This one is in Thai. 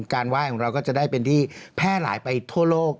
ไหว้ของเราก็จะได้เป็นที่แพร่หลายไปทั่วโลก